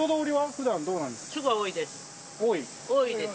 ここ、すごい多いです。